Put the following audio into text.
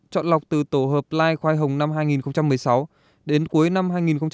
chọn lọc từ tổ hợp lai khoai hồng năm hai nghìn một mươi sáu đến cuối năm hai nghìn một mươi tám